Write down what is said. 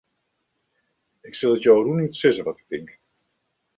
Ik sil it jo rûnút sizze wat ik tink.